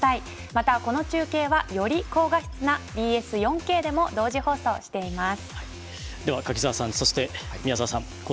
また、この中継はより高画質なＢＳ４Ｋでも同時放送しています。